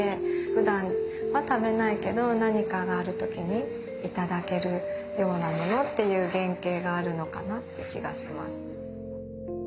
ふだんは食べないけど何かがある時にいただけるようなものっていう原型があるのかなって気がします。